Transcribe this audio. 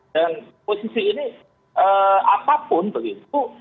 dan posisi ini apapun begitu